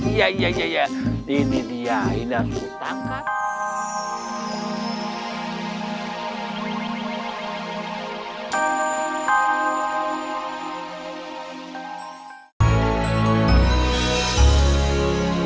iya iya iya ini dia ini harus ditangkap